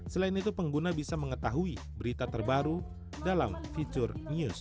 selain itu pengguna bisa mengetahui berita terbaru dalam fitur news